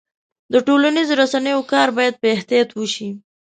د ټولنیزو رسنیو کار باید په احتیاط وشي.